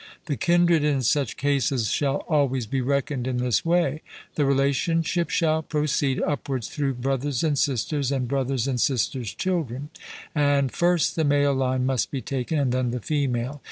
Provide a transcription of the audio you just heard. The kindred in such cases shall always be reckoned in this way; the relationship shall proceed upwards through brothers and sisters and brothers' and sisters' children, and first the male line must be taken and then the female.